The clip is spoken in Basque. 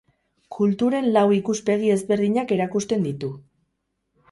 Kulturen lau ikuspegi ezberdinak erakusten ditu.